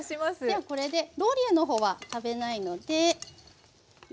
ではこれでローリエの方は食べないのでよいしょ。